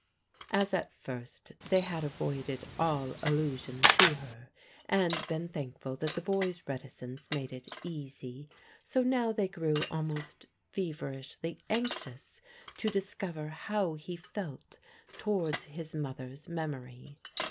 As at first they had avoided all allusion to her, and been thankful that the boy's reticence made it easy, so now they grew almost feverishly anxious to discover how he felt towards his mother's memory.